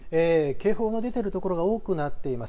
警報が出ている所が多くなっています。